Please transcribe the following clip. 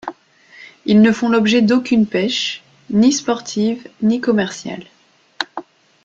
Ils ne font l'objet d'aucune pêche, ni sportive ni commerciale.